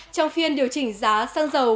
trong phiên điều chỉnh giá xăng dầu